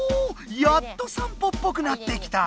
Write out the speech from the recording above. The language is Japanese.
やっと散歩っぽくなってきた！